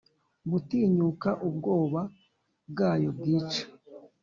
gutinyuka ubwoba bwayo bwica?